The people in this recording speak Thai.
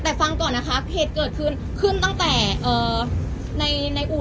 แต่ฟังก่อนนะคะเหตุเกิดขึ้นขึ้นตั้งแต่ในอู่